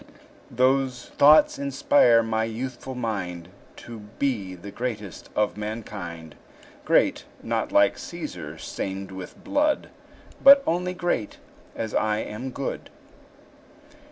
Those thoughts inspire my youthful mind To be the greatest of mankind; Great, not like Cæsar, stained with blood; But only great, as I am good.